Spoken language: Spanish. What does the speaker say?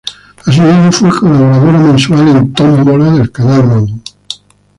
Asimismo, fue colaboradora mensual en Tómbola de Canal Nou.